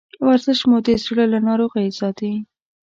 ورزش مو د زړه له ناروغیو ساتي.